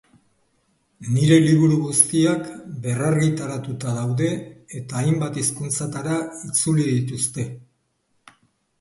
Nire liburu guztiak berrargitaratuta daude eta hainbat hizkuntzatara itzuli dituzte.